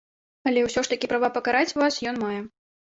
Але ўсё ж такі права пакараць вас ён мае.